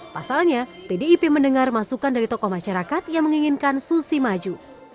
pasalnya pdip mendengar masukan dari tokoh masyarakat yang menginginkan susi maju